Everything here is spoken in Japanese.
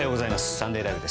「サンデーＬＩＶＥ！！」